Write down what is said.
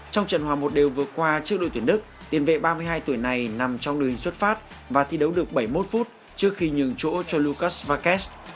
trong trận hòa một đều vừa qua trước đội tuyển đức tiền vệ ba mươi hai tuổi này nằm trong đường xuất phát và thi đấu được bảy mươi một phút trước khi nhường chỗ cho lucas vakes